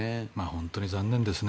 本当に残念ですね。